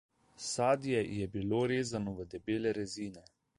Sadje je bilo rezano v debele rezine.